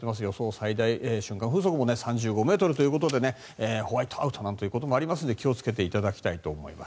最大瞬間風速も３５ｍということでホワイトアウトなんてこともありますので気をつけていただきたいと思います。